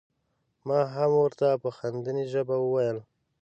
ما هم ور ته په خندنۍ ژبه وویل.